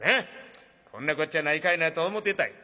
こんなこっちゃないかいなと思ってたんや。